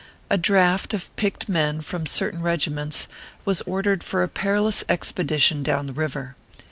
A draft of picked men from certain regi ments was ordered for a perilous expedition down the river.